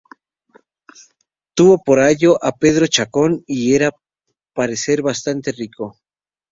Tuvo por ayo a Pedro Chacón y era al parecer bastante rico.